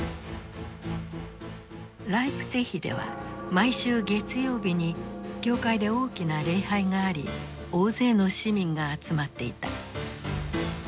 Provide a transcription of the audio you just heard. ライプツィヒでは毎週月曜日に教会で大きな礼拝があり大勢の市民が集まっていた。